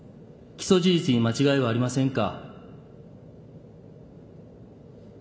起訴事実に間違いはありませんか？